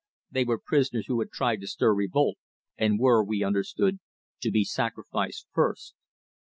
They were prisoners who had tried to stir revolt, and were, we understood, to be sacrificed first.